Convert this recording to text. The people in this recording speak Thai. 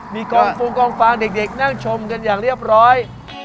มีกองฟงกองฟางเด็กนั่งชมกันอย่างเรียบร้อย